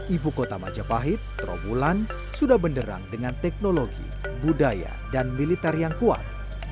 ibu kota majapahit trawulan sudah benderang dengan teknologi budaya dan militer yang kuat